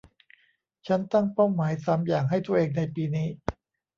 ฉันตั้งเป้าหมายสามอย่างให้ตัวเองในปีนี้